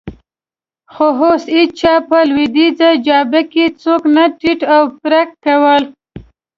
خو اوس هېڅ چا په لوېدیځه جبهه کې څوک نه تیت او پرک کول.